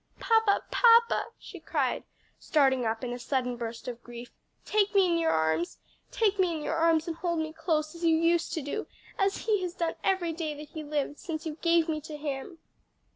"Papa, papa!" she cried, starting up in a sudden burst of grief, "take me in your arms, take me in your arms and hold me close as you used to do, as he has done every day that he lived since you gave me to him!"